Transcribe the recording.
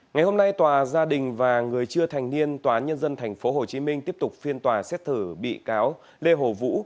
ngày hôm nay tòa gia đình và người chưa thành niên tòa nhân dân tp hcm tiếp tục phiên tòa xét thử bị cáo lê hồ vũ